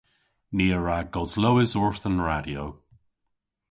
Ni a wra goslowes orth an radyo.